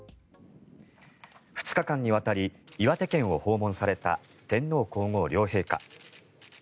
２日間にわたり岩手県を訪問された天皇・皇后両陛下。